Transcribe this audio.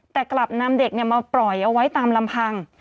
แต่กลับนำเด็กมาปล่อยเอาไว้ตามลำพัง